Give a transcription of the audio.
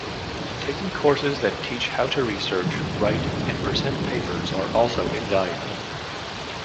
Taking courses that teach how to research, write and present papers are also invaluable.